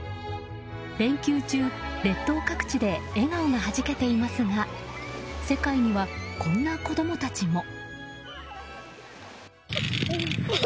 連休中、列島各地で笑顔がはじけていますが世界には、こんな子供たちも。